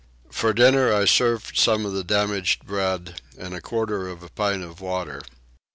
For dinner I served some of the damaged bread and a quarter of a pint of water.